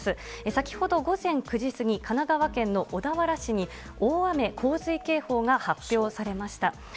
先ほど午前９時過ぎ、神奈川県の小田原市に大雨洪水警報が発表されました。